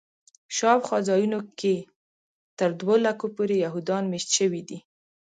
شاوخوا ځایونو کې تر دوه لکو پورې یهودان میشت شوي دي.